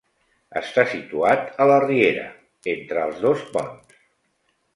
Està situat a la riera, entre els dos ponts.